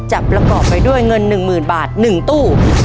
ประกอบไปด้วยเงิน๑๐๐๐บาท๑ตู้